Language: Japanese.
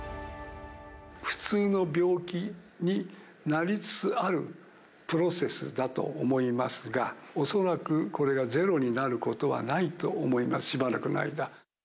普通の病気になりつつあるプロセスだと思いますが、恐らくこれがゼロになることはないと思います、しばらくの間。